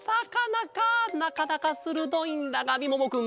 なかなかするどいんだがみももくん